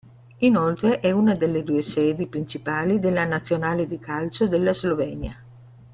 Inoltre, è una delle due sedi principali della nazionale di calcio della Slovenia.